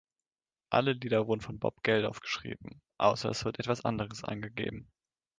Alle Lieder wurden von Bob Geldof geschrieben, außer es wird etwas anderes angegeben.